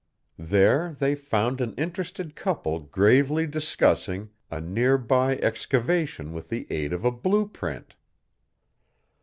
There they found an interested couple gravely discussing a near by excavation with the aid of a blue print.